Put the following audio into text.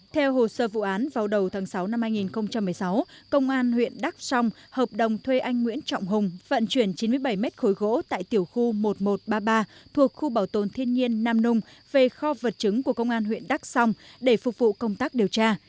theo hồ sơ vụ án vào đầu tháng sáu năm hai nghìn một mươi sáu công an huyện đắk song hợp đồng thuê anh nguyễn trọng hùng vận chuyển chín mươi bảy mét khối gỗ tại tiểu khu một nghìn một trăm ba mươi ba thuộc khu bảo tồn thiên nhiên nam nung về kho vật chứng của công an huyện đắk song để phục vụ công tác điều tra